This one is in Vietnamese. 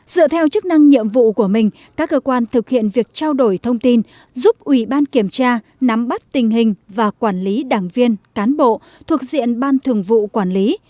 dựa theo chức năng nhiệm vụ của mình các cơ quan thực hiện việc trao đổi thông tin giúp ủy ban kiểm tra nắm bắt tình hình và quản lý đảng viên cán bộ thuộc diện ban thường vụ quản lý